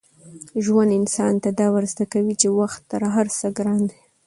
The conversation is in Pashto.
ژوند انسان ته دا ور زده کوي چي وخت تر هر څه ګران دی.